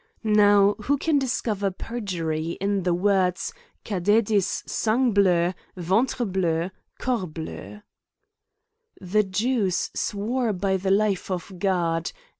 Now who. can discover perjury, in the words cadedis sangbleuy ventrebleu^ corbleu. The Jews swore by the life of God.